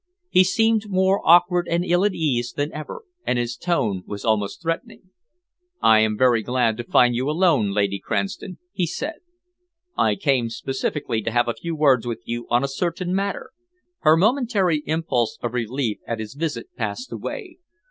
He seemed more awkward and ill at ease than ever, and his tone was almost threatening. "I am very glad to find you alone, Lady Cranston," he said. "I came specially to have a few words with you on a certain matter." Her momentary impulse of relief at his visit passed away.